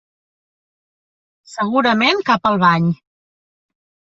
Segurament cap al bany.